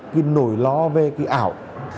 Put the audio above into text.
cái nổi lo về cái ảo